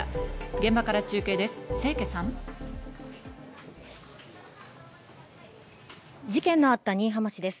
現場から中継です。